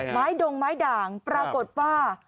ไม้ดงไม้ด่างปรากฏว่า